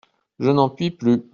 Je n'en puis plus.